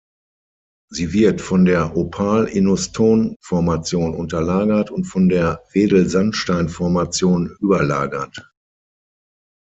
Sie wird von der Opalinuston-Formation unterlagert und von der Wedelsandstein-Formation überlagert.